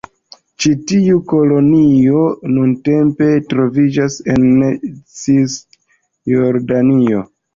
Ĉi tiuj kolonioj nuntempe troviĝas en Cisjordanio.